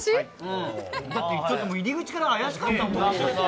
だって、入り口から怪しかったもん。